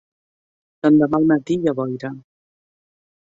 L'endemà al matí hi ha boira.